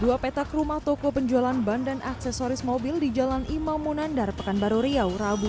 dua petak rumah toko penjualan ban dan aksesoris mobil di jalan imam munandar pekanbaru riau rabu